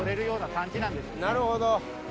なるほど。